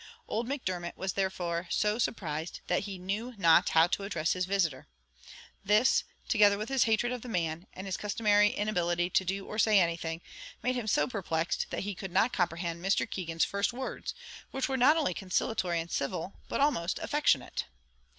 Old Macdermot was therefore so surprised that he knew not how to address his visitor. This, together with his hatred of the man, and his customary inability to do or say anything, made him so perplexed that he could not comprehend Mr. Keegan's first words, which were not only conciliatory and civil, but almost affectionate.